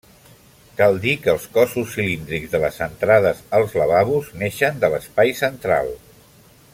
Cal dir que els cossos cilíndrics de les entrades als lavabos neixen de l'espai central.